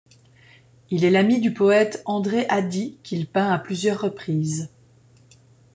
Il est l'ami du poète Endre Ady, qu'il peint à plusieurs reprises.